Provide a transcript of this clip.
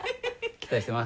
期待してます。